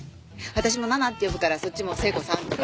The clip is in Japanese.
私もナナって呼ぶからそっちも聖子さんとか。